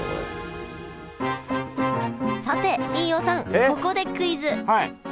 さて飯尾さんここでクイズえっはい。